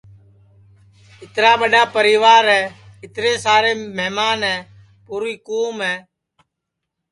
اِترا ٻڈؔا پریوار ہے اِترے سارے مہمان ہے پُوری کُوم ہے